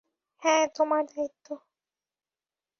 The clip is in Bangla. হ্যাঁ, তোমার দায়িত্ব।